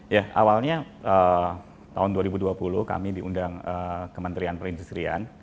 ya awalnya tahun dua ribu dua puluh kami diundang kementerian perindustrian